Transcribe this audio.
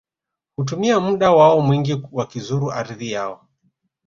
Hutumia muda wao mwingi wakizuru ardhi yao